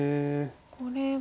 これは？